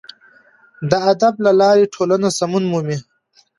د ادب له لارې ټولنه سمون مومي.